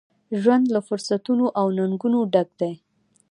ژوند له فرصتونو ، او ننګونو ډک دی.